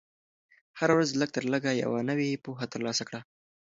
هره ورځ لږ تر لږه یوه نوې پوهه ترلاسه کړه.